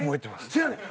せやねん。